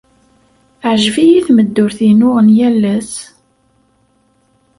Teɛjeb-iyi tmeddurt-inu n yal ass.